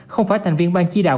không phải thành viên bang chi đạo